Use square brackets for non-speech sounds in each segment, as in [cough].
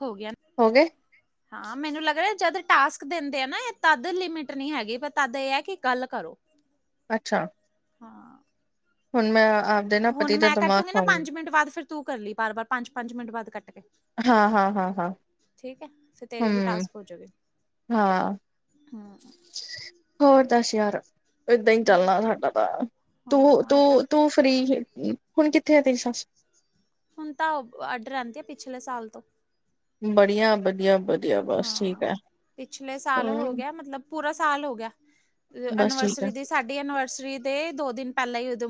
ਹੋ ਗਿਆ। ਹੋ ਗੇ ਹ [unintelligible] ਹਾਂ ਮੈਨੂੰ ਲੱਗ ਰਿਹਾ ਜਦ ਟਾਸਕ ਦਿੰਦੇ ਐਨੈ ਇਹ ਤਦ ਲਿਮਿਟ ਨੀ ਹੈਗੀ ਪਰ ਤਦ ਏ ਹੈ ਕਿ ਗਲ਼ ਕਰੋ। ਅੱਛਾ ਹਾਂ ਹੁਣ ਮੈਂ ਨਾ ਹੁਣ ਪਤੀ ਦਾ ਮੈਂ ਦਿਮਾਗ ਕੱਟੂਗੀ ਨਾ ਖਾਊਂਗੀ ਪੰਜ ਮਿੰਟ ਬਾਅਦ ਫਿਰ ਤੂੰ ਕਰ ਲਈ ਬਾਰ ਬਾਰ ਪੰਜ ਪੰਜ ਮਿੰਟ ਬਾਅਦ ਕੱਟ ਕੇ ਹਾਂ ਹਾਂ ਹਾਂ ਹਾਂ ਠੀਕ ਹੈ ਫਿਰ ਤੇਰੀ ਵੀ ਹਮ ਟਾਸਕ ਹੋਜੂ ਗੇ ਹਾਂ ਹਮ ਹੋਰ ਦੱਸ ਯਾਰ ਏਦਾਂ ਹੀ ਬਾਏ ਚੱਲਣਾ, ਸਾਡਾ ਤਾਂ ਤੂੰ ਹਾਂ ਇਹ ਤਾਂ ਤੂੰ ਤੂੰ। ਫਰੀ ਚ ਹੁਣ ਕਿੱਥੇ ਆ ਤੇਰੀ ਸੱਸ। ਹੁਣ ਤਾਂ ਆਡਰ ਆਉਂਦੀ ਆ ਪਿਛਲੇ ਸਾਲ ਤੋਂ। ਵਧੀਆ ਵਧੀਆ ਵਧੀਆ ਬਸ ਠੀਕ ਹਾਂ ਹੈ। ਪਿਛਲੇ ਸਾਲ ਹੋ ਹਮ ਗਿਆ ਮਤਲਬ ਪੂਰਾ ਸਾਲ ਹੋ ਗਿਆ ਬਸ ਠੀਕ ਹੈ ਐਨੀਵਰਸਰੀ ਦੇ। ਸਾਡੀ ਐਨੀਵਰਸਰੀ ਦੇ ਦੋ ਦਿਨ ਪਹਿਲਾਂ ਹੀ ਉਦ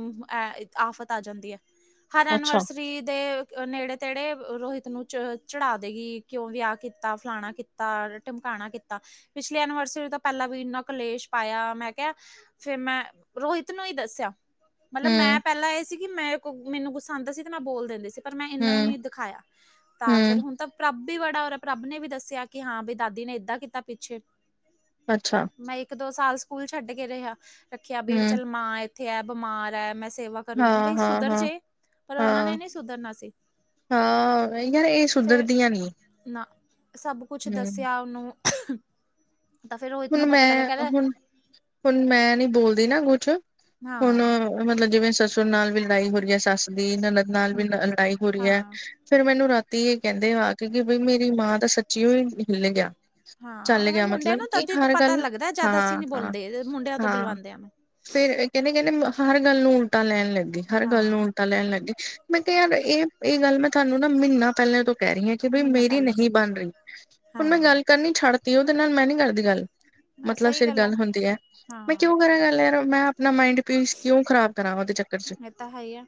ਆਫ਼ਤ ਆ ਜਾਂਦੀ ਹੈ ਹਰ ਅੱਛਾ ਐਨੀਵਰਸਰੀ। ਰੀ ਦੇ ਨੇੜੇ ਤੇੜੇ ਰੋਹਿਤ ਨੂੰ ਚ ਚੜਾ ਦੇਗੀ ਕਿਉਂ ਵਿਆਹ ਕੀਤਾ ਫਲਾਣਾ। ਕੀਤਾ ਟਮਕਾਣਾ ਕੀਤਾ ਪਿਛਲੀ ਐਨੀਵਰਸਰੀ ਤੋਂ ਪਹਿਲਾਂ ਵੀ ਇੰਨਾ ਕਲੇਸ਼ ਪਾਇਆ ਮੈਂ ਕਿਹਾ। ਫੇਰ ਮੈਂ ਰੋਹਿਤ ਨੂੰ ਹੀ ਦੱਸਿਆ। ਮਤਲਬ ਹਮ ਮੈਂ ਪਹਿਲਾਂ ਇਹ ਸੀ ਕਿ ਮੈਂ ਕਿ ਮੈਨੂੰ ਗੁਸਾ ਆ ਉਂਦਾ ਸੀ ਤੇ ਮੈਂ ਬੋਲ ਦਿੰਦੀ ਸੀ ਪਰ ਮੈਂ ਇਹਨੂੰ ਹਮ ਹੀ ਦਿਖਾਇਆ ਤਾਂ ਫਿਰ ਹਮ ਹੁਣ ਤਾਂ ਪ੍ਰੱਭ ਵੀ ਬੜਾ ਹੋ ਰਿਹਾ ਪ੍ਰੱਭ ਨੇ ਵੀ ਦੱਸਿਆ। ਕਿ ਹਾਂ ਬਈ ਦਾਦੀ ਨੇ ਇਏਦਾਂ ਕੀਤਾ ਪਿੱਛੇ। ਅੱਛਾ। ਮੈਂ ਇੱਕ ਦੋ ਸਾਲ ਸਕੂਲ ਛੱਡ ਕੇ ਰਿਹਾ ਰੱਖਿਆ ਬ ਹਮ ਚੱਲ ਮਾਂ ਇੱਥੇ ਹੈ ਬਿਮਾਰ ਹੈ ਮੈਂ ਸੇਵਾ। ਕਰੂ ਹਾਂ ਬਈ ਹਾਂ ਸੁਧਰ ਹਾਂ ਜੇ, ਪਰ ਉਹਨਾਂ ਹਾਂ ਨੇ ਨੀ ਸੁਧਰਨਾ ਸੀ। ਹਾਂ ਯਾਰ ਇਹ ਫਿਰ ਸੁਧਰਦੀਆਂ ਨੀ। ਨਾ, ਸਭ ਕੁਛ ਹਮ ਦੱਸਿਆ ਉਹਨੂੰ। ਤਾਂ ਫਿਰ ਰੋਹਿਤ ਹੁਣ ਨੂੰ ਪਤਾ ਲੱਗਾ ਮੈਂ ਕਹਿੰਦਾ ਹੁਣ ਹੁਣ ਮੈਂ ਨਹੀਂ ਬੋਲਦੀ ਨਾ ਕੁਛ ਹੁਣ। ਹਾਂ ਮਤਲਬ ਜਿਵੇਂ ਸਸੁਰ ਨਾਲ ਵੀ ਲੜਾਈ ਹੋ ਰਹੀ ਹੈ ਸੱਸ ਦੀ ਨਨਦ ਨਾਲ ਵੀ ਹਮ ਲੜਾਈ ਹੋ ਰਹੀ ਹੈ। ਹਾਂ ਫੇਰ ਮੈਨੂੰ ਰਾਤੀ ਇਹ ਕਹਿੰਦੇ ਆ ਕਿ ਬਈ ਮੇਰੀ ਮਾਂ ਤਾਂ ਸ। ਹਿੱਲ ਗਿਆ ਚੱਲ ਹਾਂ ਗਿਆ ਮੁੰਡਿਆਂ ਮਤਲਬ। ਨੂੰ ਕਿ ਤਦ ਹੀ ਹਰ ਪਤਾ ਗੱਲ ਲੱਗਦਾ ਜਦ ਅਸੀਂ ਹਾਂ ਨੀ ਹਾਂ ਬੋਲਦੇ ਮੁੰਡਿਆਂ ਤੋਂ ਹਾਂ ਬੁਲਵਾਉਂਦੇ ਆ ਮੈਂ ਫੇਰ। ਕਹਿੰਦੇ ਕਹਿੰਦੇ ਹਰ ਗੱਲ ਨੂੰ ਉਲਟਾ ਲੈਣ ਲੱਗੀ, ਹਰ ਗੱਲ ਨੂੰ ਹਾਂ ਉਲਟਾ ਲੈਣ ਲੱਗੀ। ਮੈਂ ਕਿਹਾ ਯਾਰ ਇਹ ਇਹ ਗੱਲ ਮੈਂ ਤੁਹਾਨੂੰ ਨਾ ਮਹੀਨਾ ਪਹਿਲਾਂ ਤੋਂ ਕਹਿ ਰਹੀ ਹਾਂ। ਕਿ ਬਈ ਮਹੀਨਾ ਮੇਰੀ ਪਹਿਲਾਂ ਤੋਂ ਨਹੀਂ ਕਹਿ ਬਣ ਰਹੇ ਰਹੀ। ਹੁਣ ਮੈਂ ਗੱਲ ਹਾਂ ਕਰਨੀ ਛੱਡ ਦਿੱਤੀ ਉਹਦੇ ਨਾਲ ਮੈਂ ਨੀ ਕਰਦੀ। ਗੱਲ ਮਤਲਬ ਸਹੀ ਸਿਰ ਆ ਗੱਲ ਹੁੰਦੀ ਹੈ। ਮੈਂ ਹਾਂ ਕਿਉਂ ਕਰਾਂ ਗਲ ਯਾਰ ਮੈਂ ਆਪਣਾ ਮਾਇੰਡ ਪੀਸ ਕਿਉਂ ਖ਼ਰਾਬ ਕਰਾਂ ਉਹਦੇ ਚੱਕਰ ਚ। ਇਹ ਤਾ ਹੈ ਹੀ ਆ।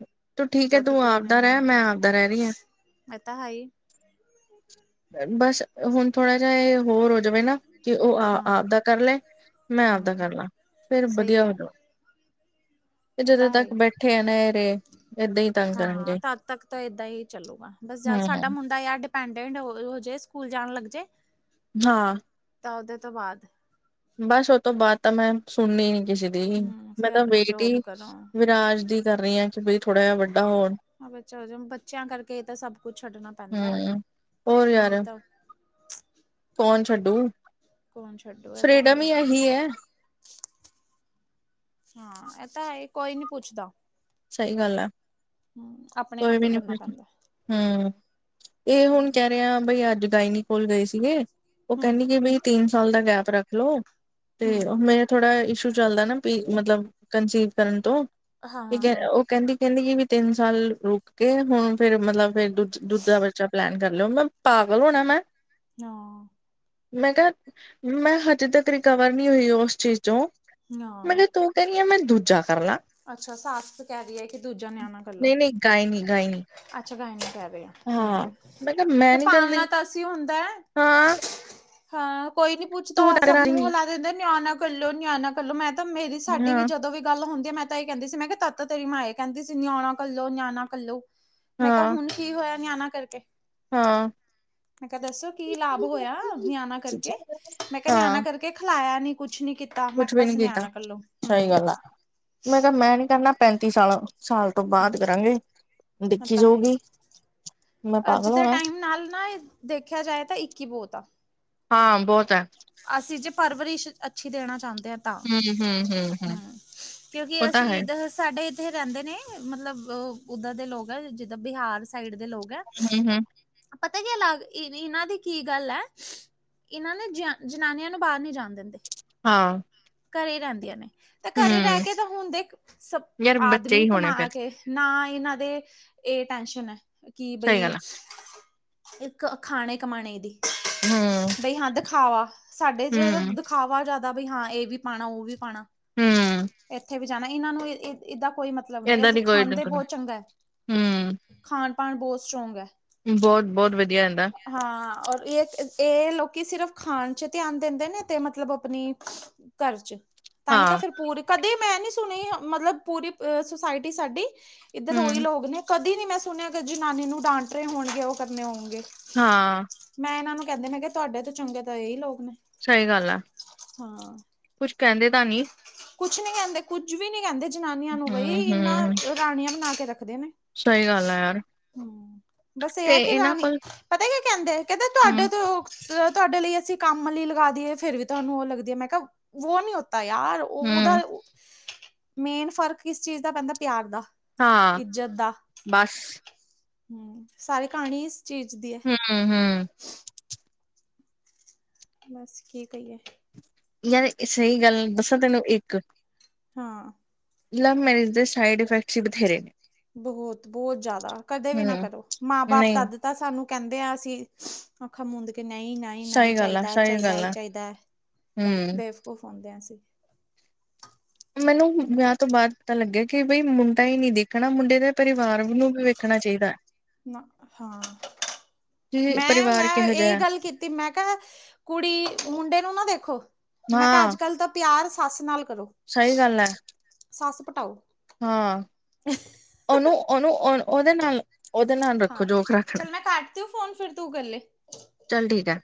ਹ ਜਦ ਤੂੰ ਉਹਨੇ ਮੰਨਾ ਰਹਿ ਰਹੀ ਐਤਾ ਹੈ ਹੀ। ਬਸ ਹੁਣ ਥੋੜਾ ਜਿਹਾ ਇਹ ਹੋਰ ਹੋ ਜਵੇ ਨਾ। ਕਿ ਉਹ ਹਾਂ ਆਪਦਾ ਕਰ ਲਏ ਮੈਂ ਆਪਦਾ ਹਮ ਕਰ ਲਾਂ ਫਿਰ ਸਹੀ ਵਧੀਆ ਹੋ ਆ ਜਾਉ। ਤੇ ਇਹ ਜਦੋਂ ਤਾਂ ਹੈ ਤੱਕ ਹੀ ਬੈਠੇ ਆ ਨਾ ਇਹ ਨੇੜੇ। ਏਦਾਂ ਹੀ ਤੱਕ। ਹਾਂ ਤਦ ਤੱਕ ਤਾਂ ਏਦਾਂ ਹੀ ਚੱਲੂਗਾ ਬਸ ਜਦ ਸਾਡਾ ਹਮ ਮੁੰਡਾ। ਤੇ ਇਹ ਡਿਪੈਂਡੈਂਟ ਹੋ ਜਏ ਸਕੂਲ ਜਾਣ ਲੱਗ ਜਏ। ਹਾਂ। ਤਾਂ ਉਹਦੇ ਤੋਂ ਬਾਅਦ। ਬਸ ਉਹ ਤੋਂ ਬਾਅਦ ਤਾਂ ਮੈਂ ਸੁਣਨੀ ਨੀ ਕਿਸੇ ਦੀ। ਹਮ ਮੈਂ ਫਿਰ ਤਾਂ ਆਪਣੀ ਵੇਟ ਹੀ ਜੋਬ ਕਰੋ ਵਿਰਾਜ ਦੀ ਕਰ ਰਹੀ ਹਾਂ ਕਿ ਬਈ ਥੋੜਾ ਜਿਹਾ ਵੱਡਾ ਹੋਣ ਹ ਚਲੋ ਬੱਚਿਆਂ ਕਰਕੇ ਇਹ ਤਾਂ ਸਭ ਕੁੱਛ ਛੱਡਣਾ ਪੈਂਦਾ ਹੈ ਨਹੀਂ ਹਮ ਤਾਂ ਨਹੀਂ ਤਾਂ - ਕੋਣ ਛੱਡੂ। ਕੌਣ ਛੱਡੋ ਇਹ ਤਾਂ ਹੈ ਫਰੀਡਮ ਹੀ। ਇਹੀ ਹੈ ਹਾਂ, ਇਹ ਤਾਂ ਹੈ ਇ ਕੋਈ ਨੀ ਪੁੱਛਦਾ। ਸਹੀ ਗੱਲ ਆ ਹਮ ਆਪਣੇ ਕੋਈ ਆਪ ਵੀ ਹੀ ਨੀ ਕਰਨਾ ਪੁਛ ਪੈਂਦਾ ਹਮ। ਇਹ ਹੁਣ ਕਹਿ ਰਿਹਾ ਬਈ ਅੱਜ ਗਾਇਨੀ ਕੋਲ ਗਏ ਸੀਗੇ ਉਹ ਹਮ ਕਹਿੰਦੀ ਕਿ ਬਈ। ਤਿੰਨ ਸਾਲ ਦਾ ਗੈਪ ਰੱਖ ਲੋ ਤੇ ਹਮ ਉਹ ਮੇ। ਥੋੜ੍ਹਾ ਇਸ਼ੂ ਚੱਲਦਾ ਨਾ ਪੀ ਮਤਲਬ ਕੰਸੀਵ ਕਰਨ ਤੋਂ। ਹਾਂ ਹਾਂ ਕ ਹਾਂ ਉਹ ਕਹਿੰਦੀ ਕਹਿੰਦੀ ਜ ਵੀ ਤਿੰਨ ਸਾਲ ਰੁਕ ਕੇ ਹੁਣ ਫੇਰ ਮਤਲਬ ਫਿਰ। ਦੂਜਾ ਦੂਜਾ ਬੱਚਾ ਪਲੈਨ ਕਰ ਲਿਓ ਮੈਂ ਪਾਗਲ ਹੋਣਾ ਮੈਂ। ਹਾਂ। ਮੈਂ ਕਿਹਾ, ਮੈਂ ਹਜੇ ਤੱਕ ਰਿਕਵਰ ਨਹੀਂ ਹੋਈ ਉਸ ਚੀਜ਼ ਚੋਂ। ਹਾਂ [inaudible] ਤੂੰ ਕਹਿਣੀ ਆ ਮੈਂ ਦੂਜਾ ਕਰ ਲਾਂ। ਅੱਛਾ ਸਾਸ ਕਹਿ ਰਹੀ ਆ ਕਿ ਦੂਜਾ ਨਿਆਣਾ ਕਰਲੋ ਨਹੀਂ ਨਹੀਂ ਗਾਇਨੇ ਕਹਿ ਰਹੀ ਆ ਅੱਛਾ ਗਾਇਨਾ ਕਹਿ ਰਹੇ ਆ। ਹਾਂ ਹਮ ਮੈਂ ਕਿਹਾ ਮੈਂ ਤੇ ਨੀ ਪਾਾਲਣਾ ਕਰਦੀ ਤਾਂ ਅਸੀਂ ਹੁੰਦਾ ਹੈ। ਹਾਂ ਹਾਂ ਕੋਈ ਨੀ ਪੁੱਛਦਾ ਤੂੰ ਤਾਂ ਸਭ ਮੂੰਹ ਕਰਾਏਂਗੀ ਹਿਲਾ ਦਿੰਦੇ ਨੇ ਨਿਆਣਾ ਕਰਲੋ ਨਿਆਣਾ ਕਲੋ ਮੈਂ ਤਾਂ ਮੇਰੀ ਸਾਡੀ ਵੀ ਹਾਂ ਜਦੋਂ ਵੀ ਗੱਲ ਹੁੰਦੀ ਹੈ ਮੈਂ ਤਾਂ ਇਹ ਕਹਿੰਦੀ ਸੀ ਮੈਂ ਕਿਹਾ ਤੱਤ ਤੇਰੀ ਮਾਂ ਇਹ ਕਹਿੰਦੀ ਸੀ ਨਿਆਣਾ ਕੱਲੋ ਨਿਆਣਾ ਕੱਲੋ ਮੈਂ ਕਿਹਾ ਹਾਂ ਹੁਣ ਕੀ ਹੋਇਆ ਨਿਆਣਾ ਕਰਕੇ ਹਾਂ ਮੈਂ ਕਿਹਾ ਦੱਸੋ ਕੀ ਲਾਭ ਹੋਇਆ ਨਿਆਣਾ ਕਰਕੇ ਮੈਂ ਕਿਹਾ ਨਿਆਣਾ ਹਾਂ ਕਰ ਕੇ ਖਿਲਾਇਆ ਨੀ ਕੁਛ ਨੀ ਕੀਤਾ ਮੈਂ ਕੁਛ ਕਿਹਾ ਵੀ ਨੀ ਬਸ ਕੀਤਾ ਨਿਆਣਾ ਕੱਲੋ ਸਹੀ ਹਮ। ਗੱਲ ਆ ਮੈਂ ਕਿਹਾ ਮੈਂ ਨੀ ਕਰਨਾ ਪੈਂਤੀ ਸਾਲਾਂ ਸਾਲ ਤੋਂ ਹਾਂ ਬਾਅਦ ਕਰਾਂਗੇ ਉਹ ਦੇਖੀ ਤਾਂ ਹੈ ਹੀ ਜਾਊਗੀ। ਮੈਂ ਅੱਜ ਪਾਗਲ ਦੇ ਹੋਣਾ ਟਾਈਮ ਨਾਲ ਨਾ ਇਹ ਦੇਖਿਆ ਜਾਏ ਤਾਂ ਇੱਕ ਹੀ ਬਹੁਤ ਆ। ਹਾਂ ਬਹੁਤ ਹੈ। ਅਸੀਂ ਜੇ ਪਰਵਰਿਸ਼ ਅੱਛੀ ਦੇਣਾ ਚਾਹੁੰਦੇ ਹਾਂ ਤਾਂ ਹਮ ਕਿਉਂਕਿ ਉਹ ਤਾਂ ਅਸੀਂ ਹੈ ਈਦ ਸਾਡੇ ਇੱਥੇ ਰਹਿੰਦੇ ਨੇ ਮਤਲਬ ਓਹ ਉੱਧਰ ਦੇ ਲੋਕ ਹੈ ਜਿੱਦਾਂ ਬਿਹਾਰ ਸਾਈਡ ਦੇ ਲੋਕ ਹੈ ਹਮ - ਹਮ ਪਤਾ ਕੀ ਅਲਗ ਅੱਗ ਇਹਨਾਂ ਦੀ ਕੀ ਗੱਲ ਹੈ ਇਹਨਾਂ ਨੇ ਜਾ ਜਨਾਨੀਆਂ ਨੂੰ ਬਾਹਰ ਨੀ ਜਾਣ ਦਿੰਦੇ। ਹਾਂ- ਘਰੇ ਰਹਿੰਦੀਆਂ ਨੇ ਤੇ ਘਰੇ ਰਹਿ ਹਮ ਕੇ ਤਾਂ ਹੁਣ ਦੇਖ ਸਬ ਯਾਰ ਬੱਚੇ ਆਦਮੀ ਹੀ ਹੋਣੇ ਕਮਾ ਫਿਰ ਕੇ ਨਾ ਇਹਨਾਂ ਦੇ ਇਹ ਟੈਸ਼ਨ ਹੈ ਕਿ ਸਹੀ ਬਈ ਗੱਲ ਆ ਇੱਕ ਖਾਣੇ ਕਮਾਣੇ ਦੀ ਹਮ ਬਈ ਹਾਂ ਦਿਖਾਵਾ ਸਾਡੇ ਚ ਹਮ ਦਿਖਾਵਾ ਜ਼ਿਆਦਾ ਬਈ ਹਾਂ ਇਹ ਵੀ ਪਾਣਾ ਉਹ ਵੀ ਪਾਣਾ ਹਮ ਇੱਥੇ ਵੀ ਜਾਣਾ ਇਹਨਾਂ ਨੂੰ ਈ ਇਹਦਾ ਕੋਈ ਮਤਲਬ ਨਹੀ ਏਦਾਂ ਇਹ ਦੀ ਕੋਈ ਖਾਂਦੇ ਬਹੁਤ ਚੰਗਾ ਹੈ। ਹਮ ਖਾਣ -ਪਾਣ ਬਹੁਤ ਸਟਰੋਂਗ ਹੈ। ਬਹੁਤ -ਬਹੁਤ ਵਧੀਆ ਅਹਿੰਦਾ। ਹਾਂ ਔਰ ਇਕ ਇਹ ਲੋਕੀ ਸਿਰਫ਼ ਖਾਣ ਚ ਧਿਆਨ ਦਿੰਦੇ ਨੇ ਤੇ ਮਤਲਬ ਆਪਣੀ ਘਰ ਚ ਤਹੀ ਤਾਂ ਹਾਂ ਫਿਰ ਪੂਰੀ ਕਦੇ ਮੈਂ ਨਹੀ ਸੁਣੀ ਮਤਲਬ ਪੂਰੀ ਸੁਸਾਇਟੀ ਸਾਡੀ ਇੱਧਰ ਉਹੀ ਹਮ ਲੋਕ ਨੇ ਕਦੇ ਨੀ ਮੈਂ ਸੁਣਿਆ ਕਿ ਜਨਾਨੀ ਨੂੰ ਡਾਂਟ ਰਹੇ ਹੋਣਗੇ ਉਹ ਕਰਨੇ ਹੋਣਗੇ ਹਾਂ। ਮੈਂ ਇਹਨਾਂ ਨੂੰ ਕਹਿੰਦੇ ਨੇ ਕਿ ਤੁਹਾਡੇ ਤੋਂ ਚੰਗੇ ਤਾਂ ਇਹੀ ਲੋਕ ਨੇ ਸਹੀ ਗੱਲ ਆ ਹਾਂ ਕੁਛ ਕਹਿੰਦੇ ਤਾਂ ਨੀ ਕੁਛ ਨੀ ਕਹਿੰਦੇ ਕੁੱਝ ਵੀ ਨੀ ਕਹਿੰਦੇ ਜਨਾਨੀਆਂ ਨੂੰ ਬਈ ਹਮ ਇਹਨਾਂ ਹਮ ਰਾਣੀਆਂ ਬਣਾ ਕੇ ਰੱਖਦੇ ਨੇ। ਸਹੀ ਗੱਲ ਹੈ ਯਾਰ। ਹਮ ਬਸ ਇਹ ਤੇ ਕਿ ਇਹਨਾਂ ਰਾਮ, ਕੋਲ ਪਤਾ ਕੀ ਕਹਿੰਦੇ-ਕਹਿੰਦੇ ਤੁਹਾਡੇ ਹੂੰ-ਹੂੰ, ਤੋਂ? ਜਦੋਂ ਤੁਹਾਡੇ ਲਈ, ਅਸੀਂ ਕੰਮ ਵਾਲੀ ਲਗਾ ਦਿਏ, ਫਿਰ ਵੀ ਤੁਹਾਨੂੰ ਉਹ ਲੱਗਦੀ ਹੈ, ਮੈਂ ਕਿਹਾ ਵੋ ਨੀ ਹੋਤਾ ਯਾਰ? ਉਹ ਉਹਦਾ ਮੇਨ ਫ਼ਰਕ ਕਿਸ ਚੀਜ਼ ਦਾ ਪੈਂਦਾ ਪਿਆਰ ਦਾ- ਹਾਂ ਇੱਜਤ ਦਾ ਬੱਸ। ਹਮ ਸਾਰੀ ਕਹਾਣੀ ਇਸ ਚੀਜ਼ ਦੀ ਐ। ਹਮ ਹਮ ਬਸ ਕੀ ਕਹੀਏ- ਯਾਰ ਏ ਸਹੀ ਗੱਲ ਦੱਸਾਂ ਤੈਨੂੰ ਇੱਕ ਹਾਂ ਲਵ ਮੈਰੇਜ ਦੇ ਸਾਈਡ ਇਫੈਕਟਸ ਹੀ ਬਥੇਰੇ ਨੇ। ਬਹੁਤ - ਬਹੁਤ ਜ਼ਿਆਦਾ ਕਦੇ ਵੀ ਨਾ ਹੂੰ, ਕਰੋ ਮਾਂ ਬਾਪ ਨਹੀਂ ਤਦ ਤਾ ਸਾਨੂੰ ਕਹਿੰਦੇ ਆ ਅਸੀਂ ਆਖਾ ਮੁੂੰਦ ਕੇ ਨਹੀਂ ਨਹੀਂ ਨਹੀਂ ਸਹੀ ਗੱਲ ਆ, ਚਾਹੀਦਾ ਹੈ ਸਹੀ ਚਾਹੀਦਾ ਗੱਲ ਹੈ ਆ ਚਾਹੀਦਾ ਹੈ ਹੂੰ। ਬੇਵ ਉਹ ਫਉਂਦੇ ਹਾ ਅਸੀਂ। ਮੈਨੂੰ ਵਿਆਹ ਤੋਂ ਬਾਅਦ ਪਤਾ ਲੱਗਿਆ, ਕਿ ਬਈ ਮੁੰਡਾ ਹੀ ਨਹੀਂ ਦੇਖਣਾ, ਮੁੰਡੇ ਦੇ ਪਰਿਵਾਰ ਨੂੰ? ਵੀ ਵੇਖਣਾ ਚਾਹੀਦਾ। ਨਾ ਹਾਂ, ਕਿ ਮੈਂਮ ਪਰਿਵਾਰ ਮੈਂ ਕਿਹੋ ਇਹੀ ਜਿਹਾ ਹੈ ਗੱਲ ਕੀਤੀ। ਤੇ ਮੈਂ ਕਿਹਾ ਕੁੜੀ, ਮੁੰਡੇ ਨੂੰ ਨਾ ਦੇਖੋ, ਮੈਂ ਕਿਹਾ ਅੱਜ ਹਾਂ ਕੱਲ ਤਾਂ। ਪਿਆਰ ਸੱਸ ਨਾਲ ਕਰੋ? ਸਹੀ ਗੱਲ ਹੈ। ਸੱਸ ਪਟਾਓ। ਹਾਂ, ਉਹਨੂੰ- ਉਹਨੂੰ ਉਹ ਉਹਦੇ ਨਾਲ? ਉਹਦੇ ਨਾਲ ਰੱਖੋ, ਹਾਂ ਜੋ ਰੱਖਣਾ ਚੱਲ ਮੈਂ ਕੱਟਦੀ ਹੂੰ ਫੋਨ ਫਿਰ ਤੂੰ ਕਰ ਲੈ ਚੱਲ ਠੀਕ ਹੈ।